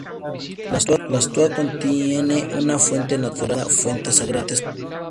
La stoa contiene una fuente natural, llamada "Fuente Sagrada".